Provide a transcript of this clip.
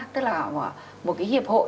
tức là một cái hiệp hội